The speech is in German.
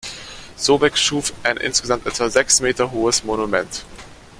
Sobeck schuf ein insgesamt etwa sechs Meter hohes Monument.